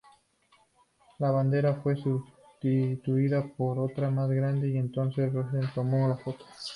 La bandera fue sustituida por otra más grande y entonces Rosenthal tomó la foto.